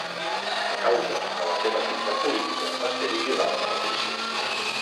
A causa de la seva activitat política va ser vigilada per la policia.